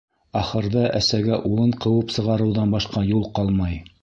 Ахырҙа әсәгә улын ҡыуып сығарыуҙан башҡа юл ҡалмай.